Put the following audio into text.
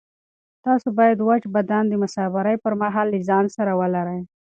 تاسو باید وچ بادام د مسافرۍ پر مهال له ځان سره ولرئ.